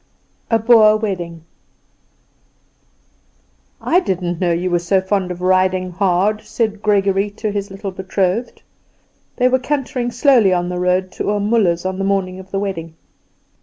A Boer wedding. "I didn't know before you were so fond of riding hard," said Gregory to his little betrothed. They were cantering slowly on the road to Oom Muller's on the morning of the wedding.